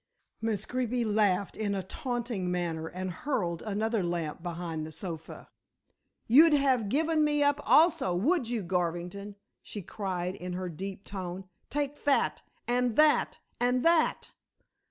Miss Greeby laughed in a taunting manner and hurled another lamp behind the sofa. "You'd have given me up also, would you, Garvington?" she cried in her deep tone; "take that, and that, and that."